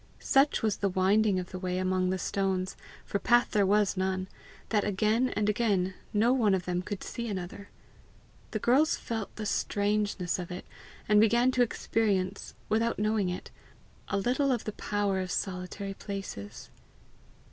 Such was the winding of the way among the stones for path there was none that again and again no one of them could see another. The girls felt the strangeness of it, and began to experience, without knowing it, a little of the power of solitary places.